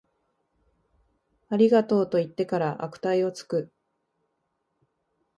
ありがとう、と言ってから悪態をつく